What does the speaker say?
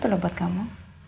sesuatu loh buat kamu